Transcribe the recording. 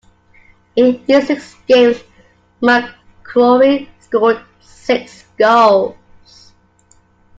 In these six games McGrory scored six goals.